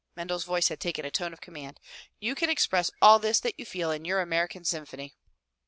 Mendel's voice had taken a tone of command. "You can express all this that you feel in your American Symphony."